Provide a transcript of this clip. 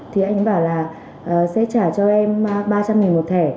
thì anh bảo là sẽ trả cho em ba trăm linh một thẻ